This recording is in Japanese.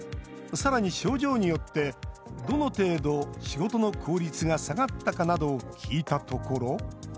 さらに症状によって、どの程度仕事の効率が下がったかなどを聞いたところ。